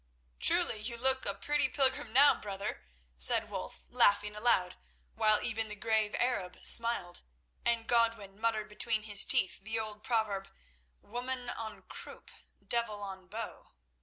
"Truly you look a pretty pilgrim now, brother," said Wulf, laughing aloud, while even the grave Arab smiled and Godwin muttered between his teeth the old proverb "Woman on croup, devil on bow."